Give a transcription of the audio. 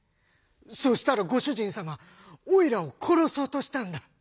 そしたらご主人様おいらを殺そうとしたんだ。